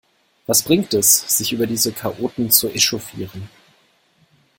Was bringt es, sich über diese Chaoten zu echauffieren?